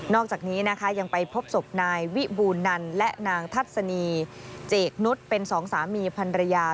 อกจากนี้นะคะยังไปพบศพนายวิบูลนันและนางทัศนีเจกนุษย์เป็นสองสามีพันรยา